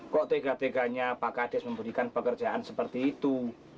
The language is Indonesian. kok tega teganya pak kades memberikan pekerjaan seperti itu